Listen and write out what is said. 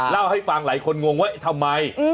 เล่าให้ฟังหลายคนงงว่าทำไม